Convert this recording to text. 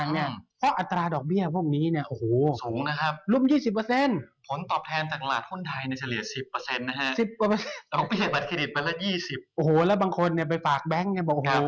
นี่บาทเคดดดูดียงกดเงินสดต่างเนี่ย